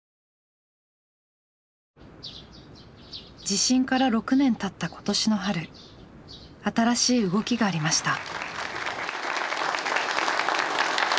地震から６年たった今年の春新しい動きがありました。